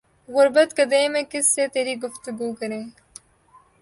غربت کدے میں کس سے تری گفتگو کریں